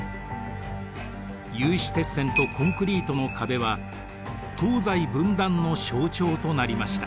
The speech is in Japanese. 有刺鉄線とコンクリートの壁は東西分断の象徴となりました。